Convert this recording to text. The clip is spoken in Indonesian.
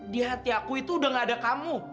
di hati aku itu udah gak ada kamu